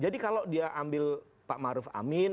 jadi kalau dia ambil pak maruf amin